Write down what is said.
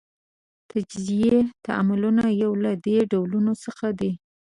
تجزیوي تعاملونه یو له دې ډولونو څخه دي.